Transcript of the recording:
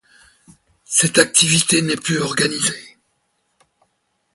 Cette activité n'est plus organisée.